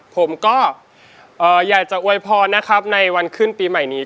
ผมก็อยากจะอวยพรนะครับในวันขึ้นปีใหม่นี้